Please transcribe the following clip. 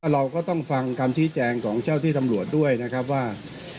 เราก็ต้องฟังคำชี้แจงของเจ้าที่ตำรวจด้วยนะครับว่า